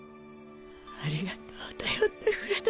ありがとう頼ってくれて。